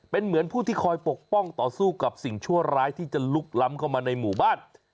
เป็นเหมือนผู้ที่คอยปกป้องต่อสู้กับสิ่งชั่วร้ายที่จะลุกล้ำเข้ามาในหมู่บ้าน